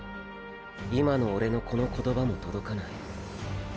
今のオレのこの言葉も届かない。